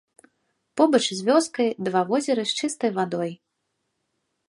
Побач з вёскай два возеры з чыстай вадой.